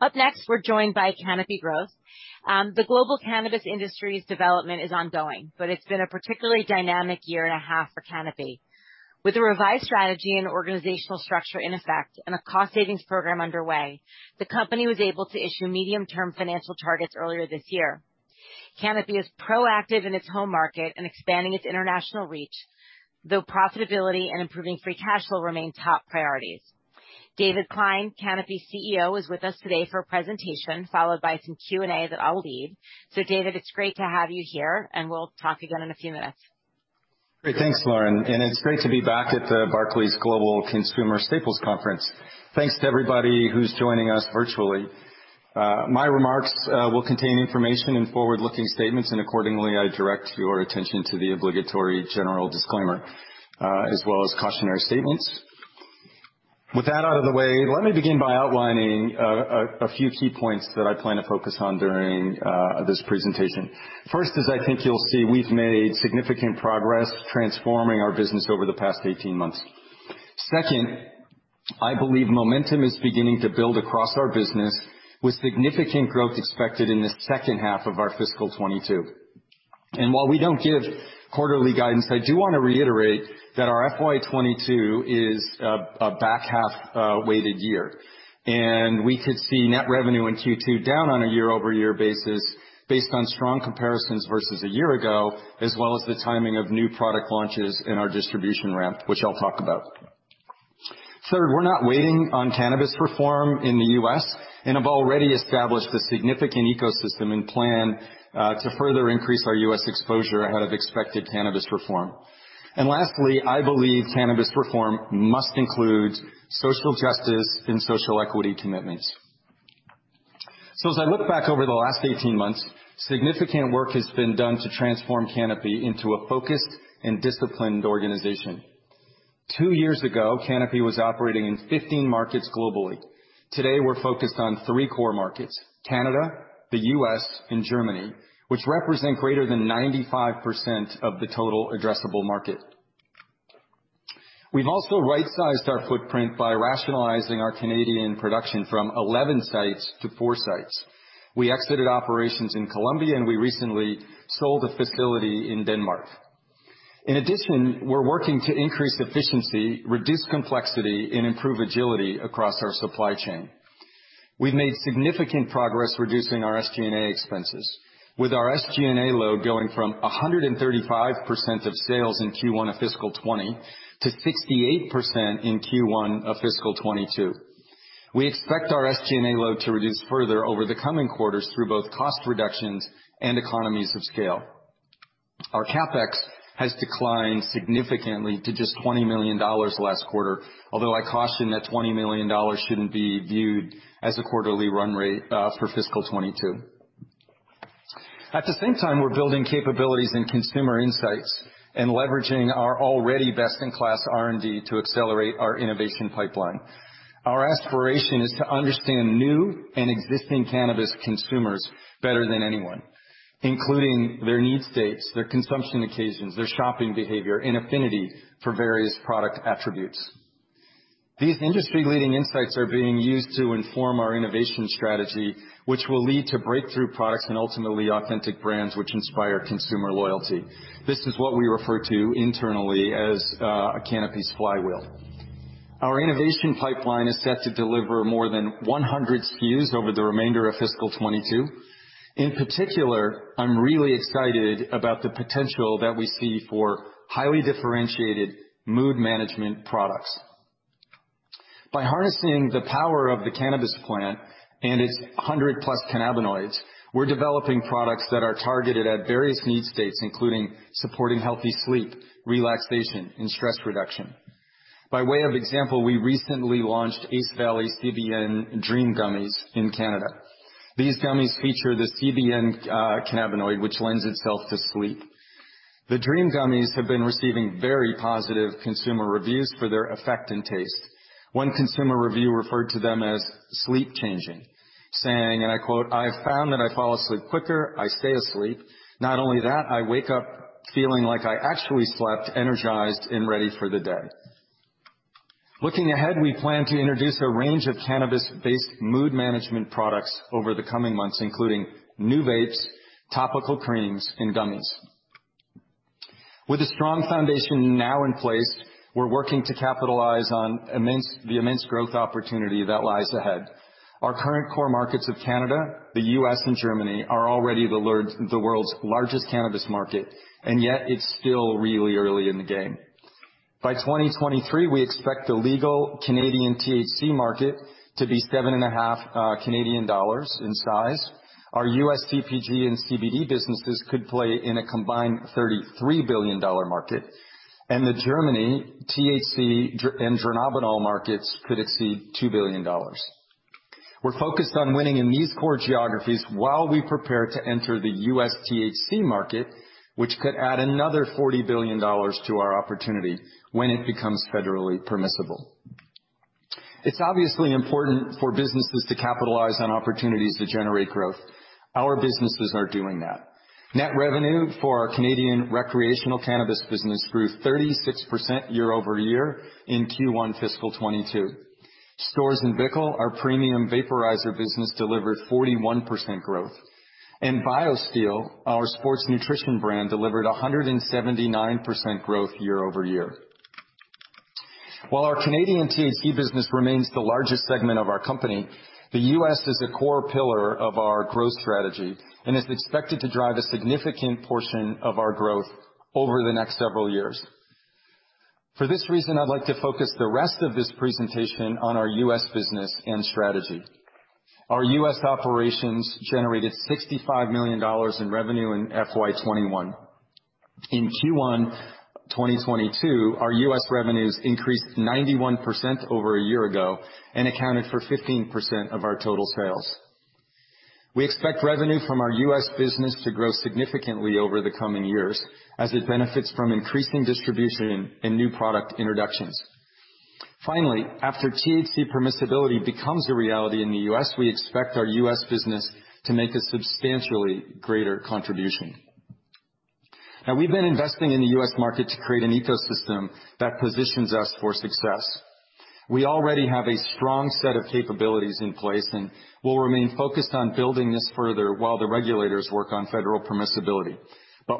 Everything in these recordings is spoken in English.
Up next, we're joined by Canopy Growth. The global cannabis industry's development is ongoing, but it's been a particularly dynamic year and a half for Canopy. With a revised strategy and organizational structure in effect, and a cost-savings program underway, the company was able to issue medium-term financial targets earlier this year. Canopy is proactive in its home market and expanding its international reach, though profitability and improving free cash flow remain top priorities. David Klein, Canopy's CEO, is with us today for a presentation, followed by some Q&A that I'll lead. David, it's great to have you here, and we'll talk again in a few minutes. Great, thanks, Lauren. It is great to be back at the Barclays Global Consumer Staples Conference. Thanks to everybody who is joining us virtually. My remarks will contain information and forward-looking statements, and accordingly, I direct your attention to the obligatory general disclaimer, as well as cautionary statements. With that out of the way, let me begin by outlining a few key points that I plan to focus on during this presentation. First, as I think you will see, we have made significant progress transforming our business over the past 18 months. Second, I believe momentum is beginning to build across our business, with significant growth expected in the second half of our fiscal 2022. While we do not give quarterly guidance, I do want to reiterate that our fiscal year 2022 is a back-half-weighted year. We could see net revenue in Q2 down on a year-over-year basis, based on strong comparisons versus a year ago, as well as the timing of new product launches in our distribution ramp, which I'll talk about. Third, we're not waiting on cannabis reform in the U.S., and have already established a significant ecosystem and plan to further increase our U.S. exposure ahead of expected cannabis reform. Lastly, I believe cannabis reform must include social justice and social equity commitments. As I look back over the last 18 months, significant work has been done to transform Canopy Growth into a focused and disciplined organization. Two years ago, Canopy Growth was operating in 15 markets globally. Today, we're focused on three core markets: Canada, the U.S., and Germany, which represent greater than 95% of the total addressable market. We've also right-sized our footprint by rationalizing our Canadian production from 11 sites to four sites. We exited operations in Colombia, and we recently sold a facility in Denmark. In addition, we're working to increase efficiency, reduce complexity, and improve agility across our supply chain. We've made significant progress reducing our SG&A expenses, with our SG&A load going from 135% of sales in Q1 of fiscal 2020 to 68% in Q1 of fiscal 2022. We expect our SG&A load to reduce further over the coming quarters through both cost reductions and economies of scale. Our CapEx has declined significantly to just $20 million last quarter, although I caution that $20 million shouldn't be viewed as a quarterly run rate for fiscal 2022. At the same time, we're building capabilities and consumer insights, and leveraging our already best-in-class R&D to accelerate our innovation pipeline. Our aspiration is to understand new and existing cannabis consumers better than anyone, including their need states, their consumption occasions, their shopping behavior, and affinity for various product attributes. These industry-leading insights are being used to inform our innovation strategy, which will lead to breakthrough products and ultimately authentic brands which inspire consumer loyalty. This is what we refer to internally as Canopy's flywheel. Our innovation pipeline is set to deliver more than 100 SKUs over the remainder of fiscal 2022. In particular, I'm really excited about the potential that we see for highly differentiated mood management products. By harnessing the power of the cannabis plant and its 100-plus cannabinoids, we're developing products that are targeted at various need states, including supporting healthy sleep, relaxation, and stress reduction. By way of example, we recently launched Ace Valley, CBN Dream Gummies in Canada. These gummies feature the CBN cannabinoid, which lends itself to sleep. The Dream Gummies have been receiving very positive consumer reviews for their effect and taste. One consumer review referred to them as sleep-changing, saying, and I quote, "I have found that I fall asleep quicker. I stay asleep. Not only that, I wake up feeling like I actually slept, energized, and ready for the day." Looking ahead, we plan to introduce a range of cannabis-based mood management products over the coming months, including new vapes, topical creams, and gummies. With a strong foundation now in place, we're working to capitalize on the immense growth opportunity that lies ahead. Our current core markets of Canada, the U.S., and Germany are already the world's largest cannabis market, and yet it's still really early in the game. By 2023, we expect the legal Canadian THC market to be 7.5 million Canadian dollars in size. Our U.S. CPG and CBD businesses could play in a combined $33 billion market, and the Germany THC and dronabinol markets could exceed $2 billion. We're focused on winning in these core geographies while we prepare to enter the U.S. THC market, which could add another $40 billion to our opportunity when it becomes federally permissible. It's obviously important for businesses to capitalize on opportunities to generate growth. Our businesses are doing that. Net revenue for our Canadian recreational cannabis business grew 36% year-over-year in Q1 fiscal 2022. Stoz & BICKEL, our premium vaporizer business, delivered 41% growth. BioSteel, our sports nutrition brand, delivered 179% growth year-over-year. While our Canadian THC business remains the largest segment of our company, the U.S. is a core pillar of our growth strategy and is expected to drive a significant portion of our growth over the next several years. For this reason, I'd like to focus the rest of this presentation on our U.S. business and strategy. Our U.S. operations generated $65 million in revenue in FY 2021. In Q1 2022, our U.S. revenues increased 91% over a year ago and accounted for 15% of our total sales. We expect revenue from our U.S. business to grow significantly over the coming years, as it benefits from increasing distribution and new product introductions. Finally, after THC permissibility becomes a reality in the U.S., we expect our U.S. business to make a substantially greater contribution. Now, we've been investing in the U.S. market to create an ecosystem that positions us for success. We already have a strong set of capabilities in place and will remain focused on building this further while the regulators work on federal permissibility.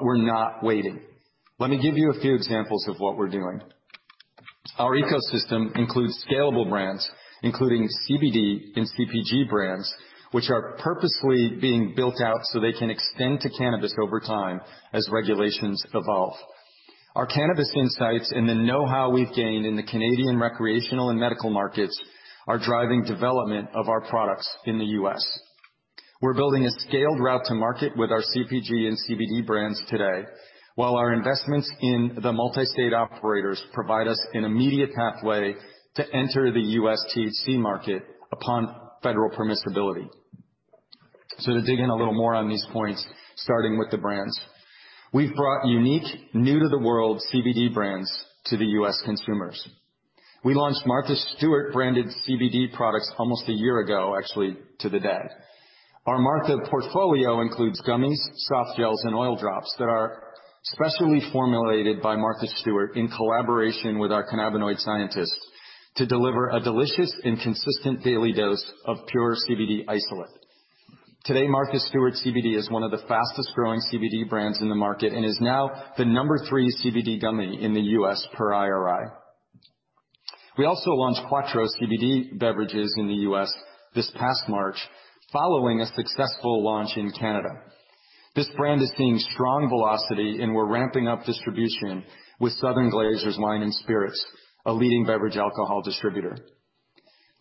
We're not waiting. Let me give you a few examples of what we're doing. Our ecosystem includes scalable brands, including CBD and CPG brands, which are purposely being built out so they can extend to cannabis over time as regulations evolve. Our cannabis insights and the know-how we've gained in the Canadian recreational and medical markets are driving development of our products in the U.S. We're building a scaled route to market with our CPG and CBD brands today, while our investments in the multi-state operators provide us an immediate pathway to enter the U.S. THC market upon federal permissibility. To dig in a little more on these points, starting with the brands, we've brought unique, new-to-the-world CBD brands to the U.S. consumers. We launched Martha Stewart-branded CBD products almost a year ago, actually to the day. Our Martha portfolio includes gummies, soft gels, and oil drops that are specially formulated by Martha Stewart in collaboration with our cannabinoid scientists to deliver a delicious and consistent daily dose of pure CBD isolate. Today, Martha Stewart CBD is one of the fastest-growing CBD brands in the market and is now the number three CBD gummy in the U.S. per IRI. We also launched Quatreau CBD beverages in the U.S. this past March, following a successful launch in Canada. This brand is seeing strong velocity, and we're ramping up distribution with Southern Glazer's Wine and Spirits, a leading beverage alcohol distributor.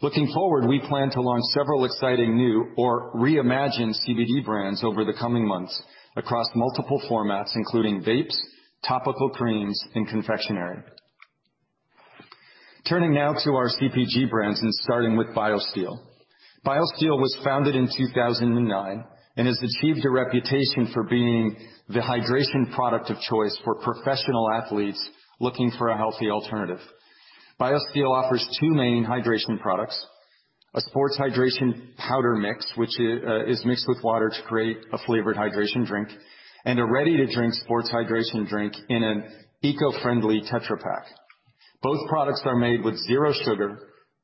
Looking forward, we plan to launch several exciting new or reimagined CBD brands over the coming months across multiple formats, including vapes, topical creams, and confectionery. Turning now to our CPG brands and starting with BioSteel. BioSteel was founded in 2009 and has achieved a reputation for being the hydration product of choice for professional athletes looking for a healthy alternative. BioSteel offers two main hydration products: a sports hydration powder mix, which is mixed with water to create a flavored hydration drink, and a ready-to-drink sports hydration drink in an eco-friendly tetrapack. Both products are made with zero sugar,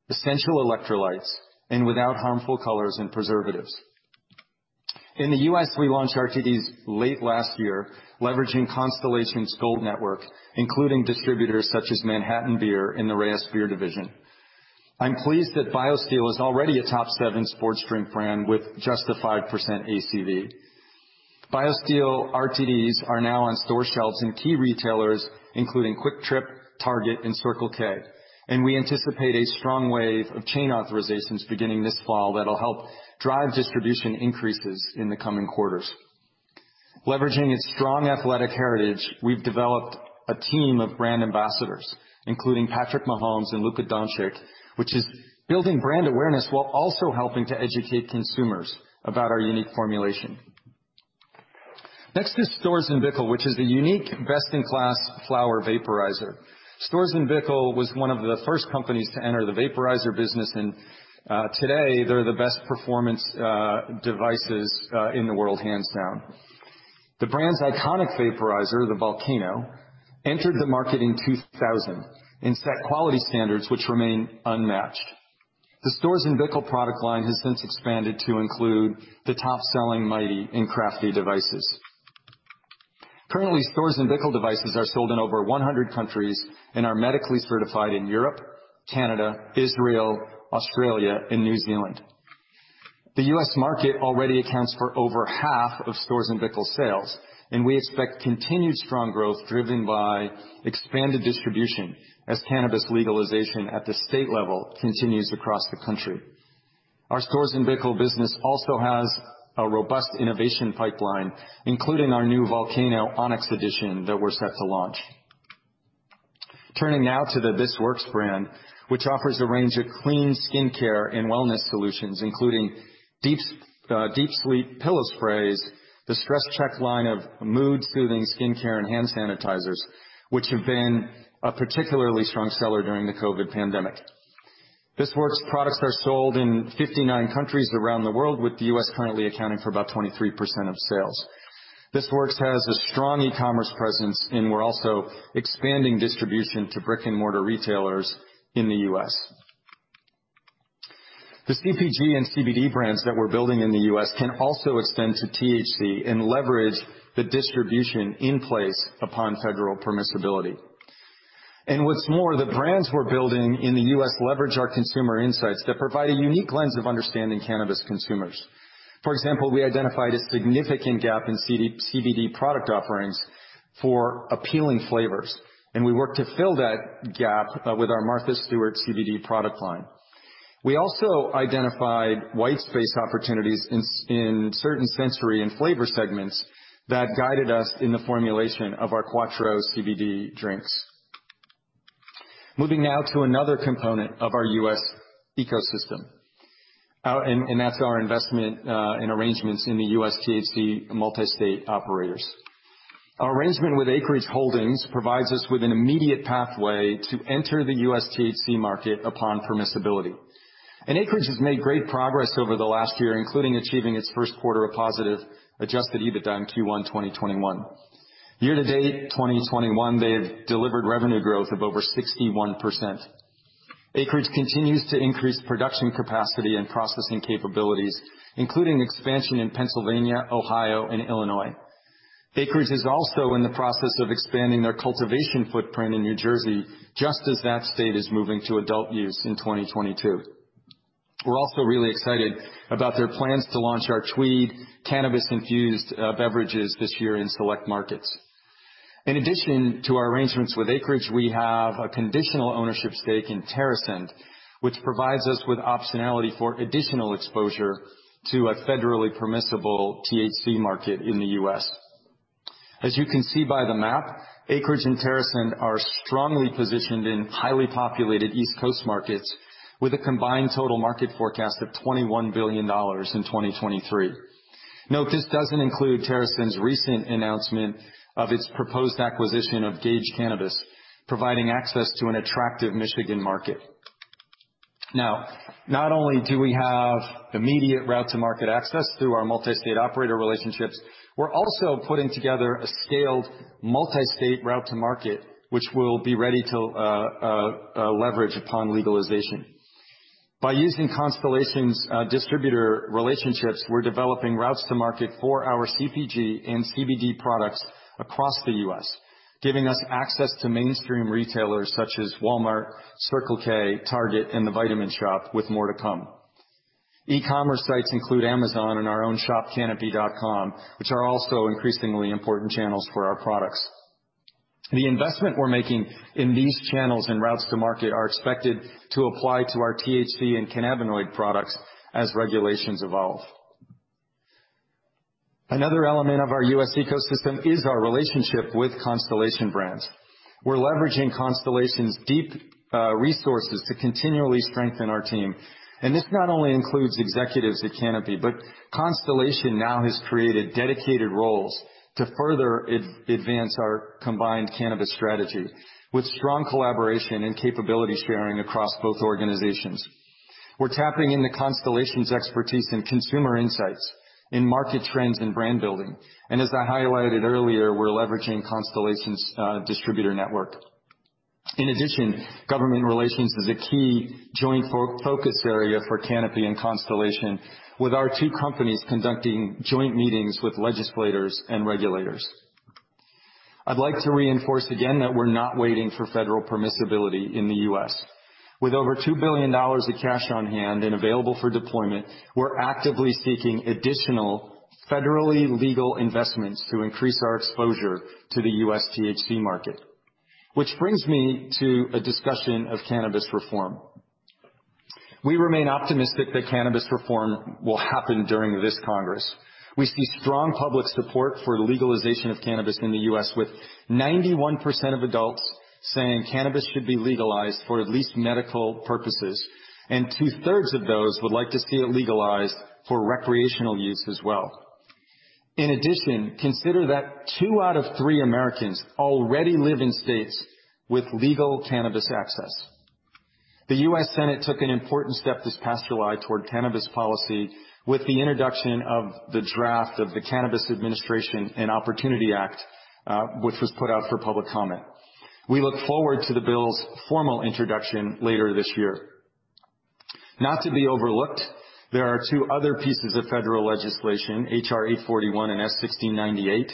essential electrolytes, and without harmful colors and preservatives. In the U.S., we launched RTDs late last year, leveraging Constellation's Gold Network, including distributors such as Manhattan Beer and the Reyes Beer Division. I'm pleased that BioSteel is already a top-seven sports drink brand with just a 5% ACV. BioSteel RTDs are now on store shelves in key retailers, including QuikTrip, Target, and Circle K, and we anticipate a strong wave of chain authorizations beginning this fall that'll help drive distribution increases in the coming quarters. Leveraging its strong athletic heritage, we've developed a team of brand ambassadors, including Patrick Mahomes and Luka Dončić, which is building brand awareness while also helping to educate consumers about our unique formulation. Next is Storz & Bickel, which is a unique, best-in-class flower vaporizer. Storz & Bickel was one of the first companies to enter the vaporizer business, and today, they're the best-performance devices in the world, hands down. The brand's iconic vaporizer, the Volcano, entered the market in 2000 and set quality standards which remain unmatched. The Storz & Bickel product line has since expanded to include the top-selling Mighty and Crafty devices. Currently, Storz & Bickel devices are sold in over 100 countries and are medically certified in Europe, Canada, Israel, Australia, and New Zealand. The U.S. market already accounts for over half of Storz & Bickel's sales, and we expect continued strong growth driven by expanded distribution as cannabis legalization at the state level continues across the country. Our Storz & Bickel business also has a robust innovation pipeline, including our new Volcano Onyx Edition that we're set to launch. Turning now to the This Works brand, which offers a range of clean skincare and wellness solutions, including Deep Sleep Pillow Sprays, the Stress Check line of mood-soothing skincare and hand sanitizers, which have been a particularly strong seller during the COVID pandemic. This Works products are sold in 59 countries around the world, with the U.S. currently accounting for about 23% of sales. This Works has a strong e-commerce presence, and we're also expanding distribution to brick-and-mortar retailers in the U.S. The CPG and CBD brands that we're building in the U.S. can also extend to THC and leverage the distribution in place upon federal permissibility. What's more, the brands we're building in the U.S. leverage our consumer insights that provide a unique lens of understanding cannabis consumers. For example, we identified a significant gap in CBD product offerings for appealing flavors, and we worked to fill that gap with our Martha Stewart CBD product line. We also identified white space opportunities in certain sensory and flavor segments that guided us in the formulation of our Quatreau CBD drinks. Moving now to another component of our U.S. ecosystem, and that's our investment and arrangements in the U.S. THC multi-state operators. Our arrangement with Acreage Holdings provides us with an immediate pathway to enter the U.S. THC market upon permissibility. Acreage has made great progress over the last year, including achieving its first quarter of positive adjusted EBITDA in Q1 2021. Year-to-date 2021, they've delivered revenue growth of over 61%. Acreage continues to increase production capacity and processing capabilities, including expansion in Pennsylvania, Ohio, and Illinois. Acreage is also in the process of expanding their cultivation footprint in New Jersey, just as that state is moving to adult use in 2022. We're also really excited about their plans to launch our Tweed cannabis-infused beverages this year in select markets. In addition to our arrangements with Acreage, we have a conditional ownership stake in TerrAscend, which provides us with optionality for additional exposure to a federally permissible THC market in the U.S. As you can see by the map, Acreage and TerrAscend are strongly positioned in highly populated East Coast markets, with a combined total market forecast of $21 billion in 2023. Note this does not include TerrAscend's recent announcement of its proposed acquisition of Gage Cannabis, providing access to an attractive Michigan market. Now, not only do we have immediate route-to-market access through our multi-state operator relationships, we are also putting together a scaled multi-state route-to-market, which we will be ready to leverage upon legalization. By using Constellation Brands' distributor relationships, we are developing routes to market for our CPG and CBD products across the U.S., giving us access to mainstream retailers such as Walmart, Circle K, Target, and The Vitamin Shoppe, with more to come. E-commerce sites include Amazon and our own shop, Canopy.com, which are also increasingly important channels for our products. The investment we are making in these channels and routes-to-market are expected to apply to our THC and cannabinoid products as regulations evolve. Another element of our U.S. ecosystem is our relationship with Constellation Brands. We're leveraging Constellation's deep resources to continually strengthen our team. This not only includes executives at Canopy, but Constellation now has created dedicated roles to further advance our combined cannabis strategy with strong collaboration and capability sharing across both organizations. We're tapping into Constellation's expertise in consumer insights, in market trends, and brand building. As I highlighted earlier, we're leveraging Constellation's distributor network. In addition, government relations is a key joint focus area for Canopy and Constellation, with our two companies conducting joint meetings with legislators and regulators. I'd like to reinforce again that we're not waiting for federal permissibility in the U.S. With over $2 billion of cash on hand and available for deployment, we're actively seeking additional federally legal investments to increase our exposure to the U.S. THC market, which brings me to a discussion of cannabis reform. We remain optimistic that cannabis reform will happen during this Congress. We see strong public support for the legalization of cannabis in the U.S., with 91% of adults saying cannabis should be legalized for at least medical purposes, and two-thirds of those would like to see it legalized for recreational use as well. In addition, consider that two out of three Americans already live in states with legal cannabis access. The U.S. Senate took an important step this past July toward cannabis policy with the introduction of the draft of the Cannabis Administration and Opportunity Act, which was put out for public comment. We look forward to the bill's formal introduction later this year. Not to be overlooked, there are two other pieces of federal legislation, HR 841 and S1698,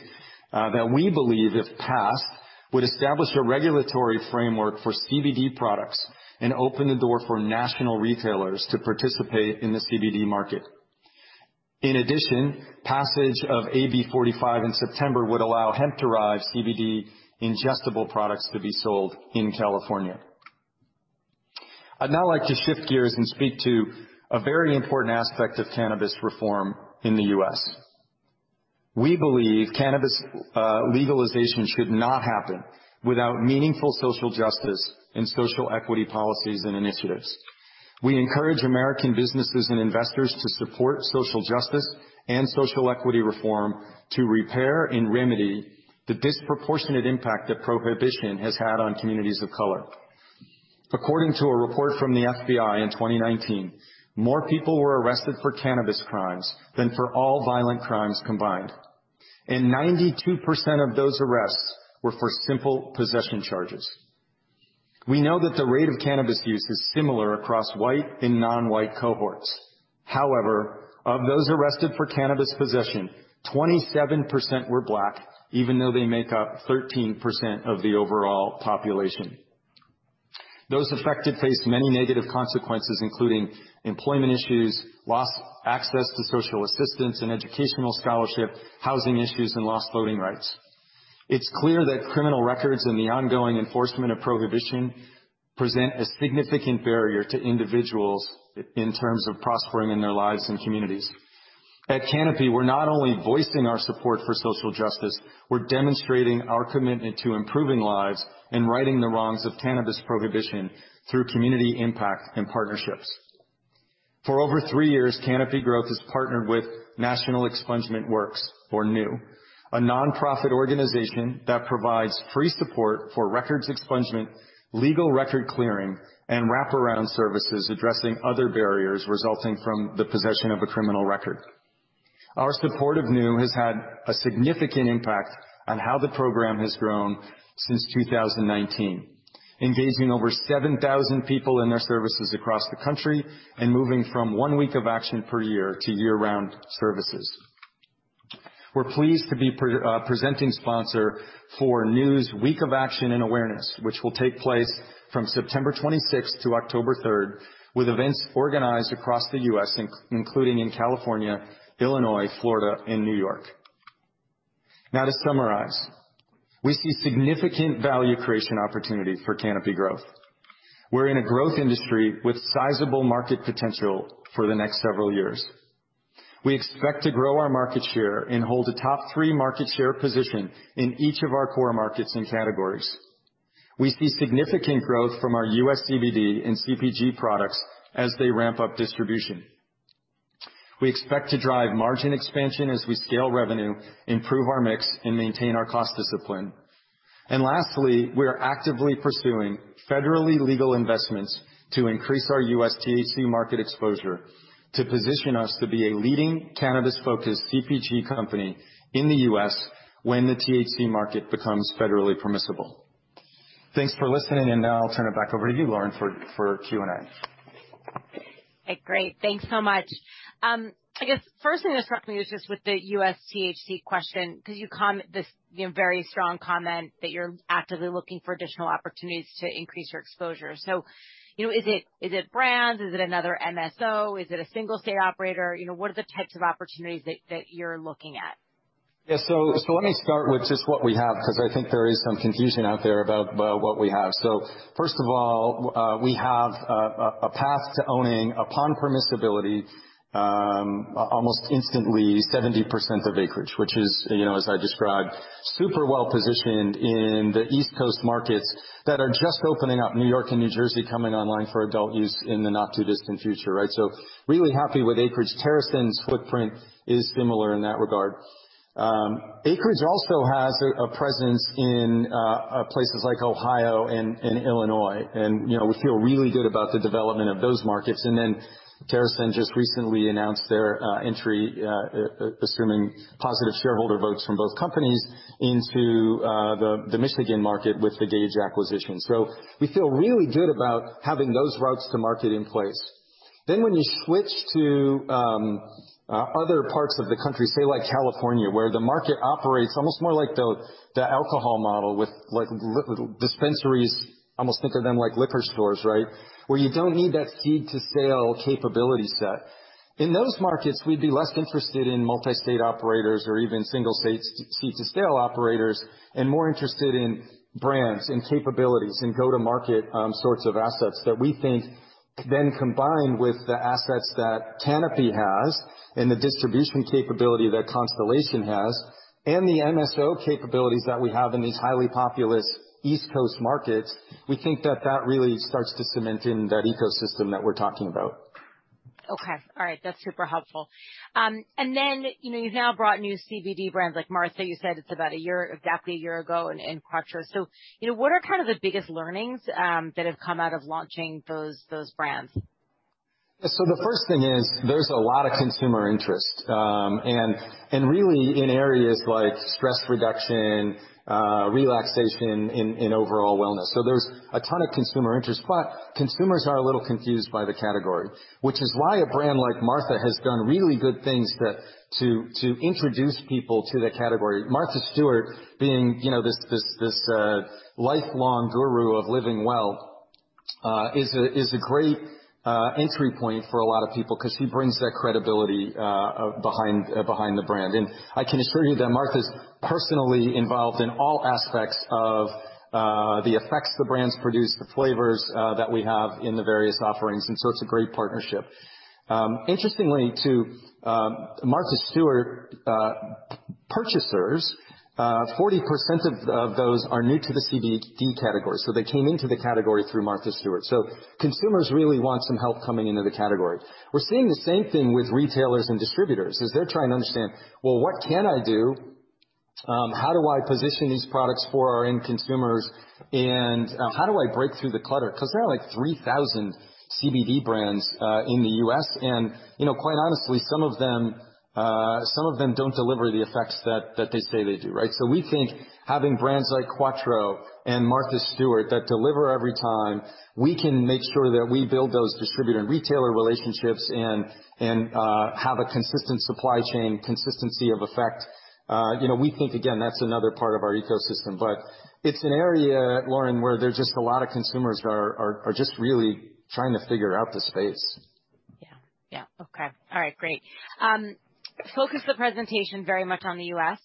that we believe if passed would establish a regulatory framework for CBD products and open the door for national retailers to participate in the CBD market. In addition, passage of AB 45 in September would allow hemp-derived CBD ingestible products to be sold in California. I'd now like to shift gears and speak to a very important aspect of cannabis reform in the U.S. We believe cannabis legalization should not happen without meaningful social justice and social equity policies and initiatives. We encourage American businesses and investors to support social justice and social equity reform to repair and remedy the disproportionate impact that prohibition has had on communities of color. According to a report from the FBI in 2019, more people were arrested for cannabis crimes than for all violent crimes combined, and 92% of those arrests were for simple possession charges. We know that the rate of cannabis use is similar across white and non-white cohorts. However, of those arrested for cannabis possession, 27% were Black, even though they make up 13% of the overall population. Those affected face many negative consequences, including employment issues, loss of access to social assistance and educational scholarship, housing issues, and lost voting rights. It's clear that criminal records and the ongoing enforcement of prohibition present a significant barrier to individuals in terms of prospering in their lives and communities. At Canopy, we're not only voicing our support for social justice; we're demonstrating our commitment to improving lives and righting the wrongs of cannabis prohibition through community impact and partnerships. For over three years, Canopy Growth has partnered with National Expungement Works, or NEW, a nonprofit organization that provides free support for records expungement, legal record clearing, and wraparound services addressing other barriers resulting from the possession of a criminal record. Our support of NEW has had a significant impact on how the program has grown since 2019, engaging over 7,000 people in their services across the country and moving from one week of action per year to year-round services. We're pleased to be presenting sponsor for NEW's Week of Action and Awareness, which will take place from September 26 to October 3, with events organized across the U.S., including in California, Illinois, Florida, and New York. Now, to summarize, we see significant value creation opportunity for Canopy Growth. We're in a growth industry with sizable market potential for the next several years. We expect to grow our market share and hold a top-three market share position in each of our core markets and categories. We see significant growth from our U.S. CBD and CPG products as they ramp up distribution. We expect to drive margin expansion as we scale revenue, improve our mix, and maintain our cost discipline. Lastly, we are actively pursuing federally legal investments to increase our U.S. THC market exposure to position us to be a leading cannabis-focused CPG company in the U.S. when the THC market becomes federally permissible. Thanks for listening, and now I'll turn it back over to you, Lauren, for Q&A. Great.Thanks so much. I guess the first thing that struck me was just with the U.S. THC question, because you commented this very strong comment that you're actively looking for additional opportunities to increase your exposure. You know, is it brands? Is it another MSO? Is it a single-state operator? You know, what are the types of opportunities that you're looking at? Yeah, let me start with just what we have, because I think there is some confusion out there about what we have. First of all, we have a path to owning upon permissibility almost instantly 70% of Acreage, which is, you know, as I described, super well-positioned in the East Coast markets that are just opening up. New York and New Jersey coming online for adult use in the not-too-distant future, right? Really happy with Acreage. TerrAscend's footprint is similar in that regard. Acreage also has a presence in places like Ohio and Illinois, and, you know, we feel really good about the development of those markets. TerrAscend just recently announced their entry, assuming positive shareholder votes from both companies, into the Michigan market with the Gage acquisition. We feel really good about having those routes to market in place. When you switch to other parts of the country, say like California, where the market operates almost more like the alcohol model with dispensaries, almost think of them like liquor stores, right? Where you do not need that seed-to-sale capability set. In those markets, we'd be less interested in multi-state operators or even single-state seed-to-sale operators and more interested in brands and capabilities and go-to-market sorts of assets that we think then combined with the assets that Canopy has and the distribution capability that Constellation has and the MSO capabilities that we have in these highly populous East Coast markets, we think that that really starts to cement in that ecosystem that we're talking about. Okay. All right. That's super helpful. You know, you've now brought new CBD brands like Martha. You said it's about a year, exactly a year ago in Quatreau. You know, what are kind of the biggest learnings that have come out of launching those brands? Yeah, the first thing is there's a lot of consumer interest and really in areas like stress reduction, relaxation, and overall wellness. There is a ton of consumer interest, but consumers are a little confused by the category, which is why a brand like Martha has done really good things to introduce people to the category. Martha Stewart, being, you know, this lifelong guru of living well, is a great entry point for a lot of people because she brings that credibility behind the brand. I can assure you that Martha's personally involved in all aspects of the effects the brands produce, the flavors that we have in the various offerings. It is a great partnership. Interestingly, to Martha Stewart purchasers, 40% of those are new to the CBD category. They came into the category through Martha Stewart. Consumers really want some help coming into the category. We are seeing the same thing with retailers and distributors as they are trying to understand, well, what can I do? How do I position these products for our end consumers? How do I break through the clutter? There are like 3,000 CBD brands in the U.S. You know, quite honestly, some of them, some of them do not deliver the effects that they say they do, right? We think having brands like Quatreau and Martha Stewart that deliver every time, we can make sure that we build those distributor and retailer relationships and have a consistent supply chain consistency of effect. You know, we think, again, that is another part of our ecosystem. It is an area, Lauren, where there is just a lot of consumers are just really trying to figure out the space. Yeah. Yeah. Okay. All right. Great. Focus the presentation very much on the U.S.,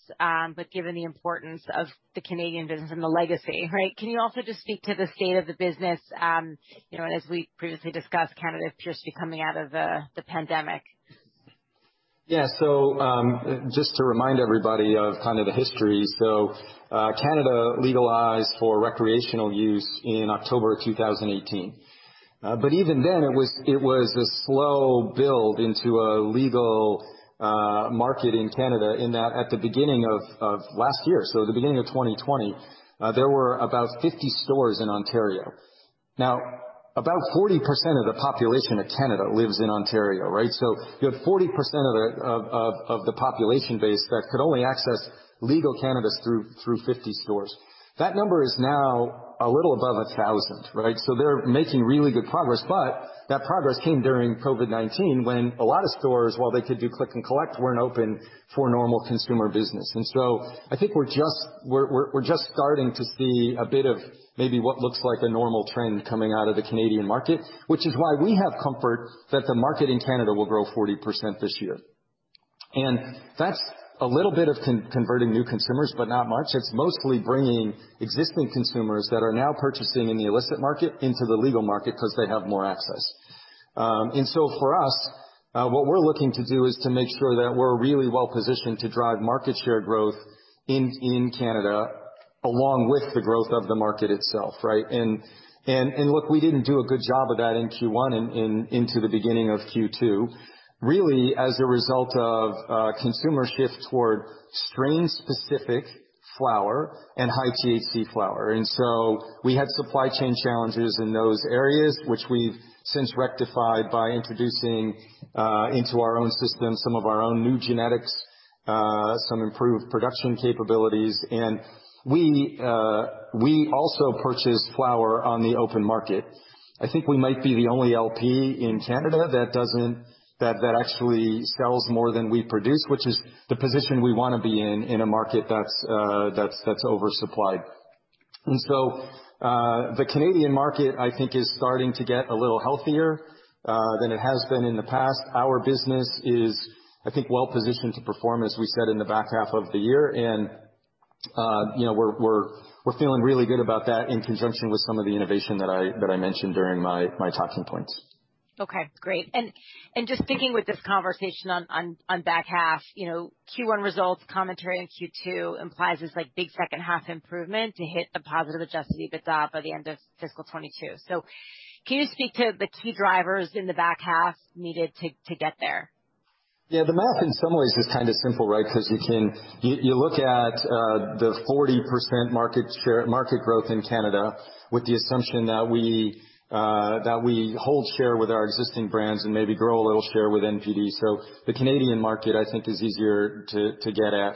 but given the importance of the Canadian business and the legacy, right? Can you also just speak to the state of the business? You know, and as we previously discussed, Canada appears to be coming out of the pandemic. Yeah. Just to remind everybody of kind of the history, Canada legalized for recreational use in October of 2018. Even then, it was a slow build into a legal market in Canada in that at the beginning of last year, the beginning of 2020, there were about 50 stores in Ontario. Now, about 40% of the population of Canada lives in Ontario, right? You had 40% of the population base that could only access legal cannabis through 50 stores. That number is now a little above 1,000, right? They're making really good progress. That progress came during COVID-19 when a lot of stores, while they could do click and collect, were not open for normal consumer business. I think we're just starting to see a bit of maybe what looks like a normal trend coming out of the Canadian market, which is why we have comfort that the market in Canada will grow 40% this year. That's a little bit of converting new consumers, but not much. It's mostly bringing existing consumers that are now purchasing in the illicit market into the legal market because they have more access. For us, what we're looking to do is to make sure that we're really well-positioned to drive market share growth in Canada along with the growth of the market itself, right? Look, we didn't do a good job of that in Q1 and into the beginning of Q2, really as a result of consumer shift toward strain-specific flower and high THC flower. We had supply chain challenges in those areas, which we've since rectified by introducing into our own system some of our own new genetics, some improved production capabilities. We also purchased flower on the open market. I think we might be the only LP in Canada that actually sells more than we produce, which is the position we want to be in in a market that's oversupplied. The Canadian market, I think, is starting to get a little healthier than it has been in the past. Our business is, I think, well-positioned to perform, as we said in the back half of the year. You know, we're feeling really good about that in conjunction with some of the innovation that I mentioned during my talking points. Okay. Great. Just thinking with this conversation on back half, you know, Q1 results commentary in Q2 implies this like big second half improvement to hit the positive adjusted EBITDA by the end of fiscal 2022. Can you speak to the key drivers in the back half needed to get there? Yeah, the math in some ways is kind of simple, right? Because you can look at the 40% market share market growth in Canada with the assumption that we hold share with our existing brands and maybe grow a little share with NPD. The Canadian market, I think, is easier to get at.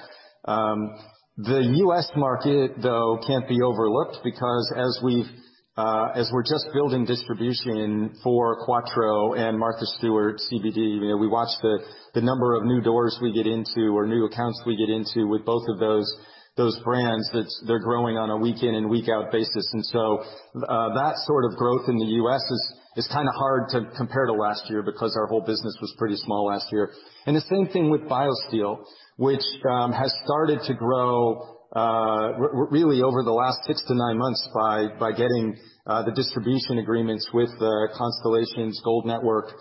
The U.S. market, though, can't be overlooked because as we're just building distribution for Quatreau and Martha Stewart CBD, you know, we watch the number of new doors we get into or new accounts we get into with both of those brands that they're growing on a week-in and week-out basis. That sort of growth in the U.S. is kind of hard to compare to last year because our whole business was pretty small last year. The same thing with BioSteel, which has started to grow really over the last six to nine months by getting the distribution agreements with the Constellation's Gold Network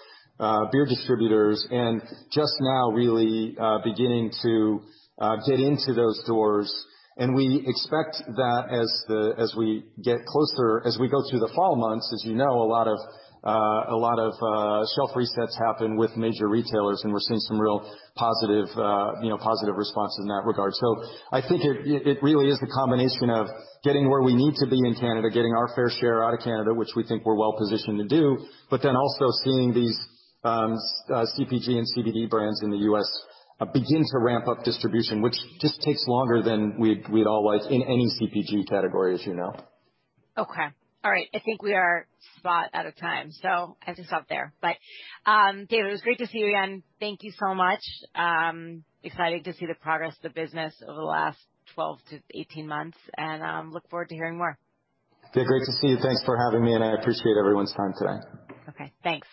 beer distributors and just now really beginning to get into those doors. We expect that as we get closer, as we go through the fall months, as you know, a lot of shelf resets happen with major retailers, and we're seeing some real positive, you know, positive responses in that regard. I think it really is a combination of getting where we need to be in Canada, getting our fair share out of Canada, which we think we're well-positioned to do, but then also seeing these CPG and CBD brands in the U.S. begin to ramp up distribution, which just takes longer than we'd all like in any CPG category, as you know. Okay. All right. I think we are spot out of time. I think stop there. David, it was great to see you again. Thank you so much. Exciting to see the progress of the business over the last 12 to 18 months, and look forward to hearing more. Yeah, great to see you. Thanks for having me, and I appreciate everyone's time today. Okay. Thanks.